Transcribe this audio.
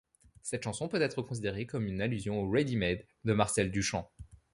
Cette chanson peut être considérée comme une allusion aux ready-made de Marcel Duchamp.